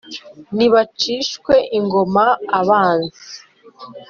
nibacishwe ingoma abanzi,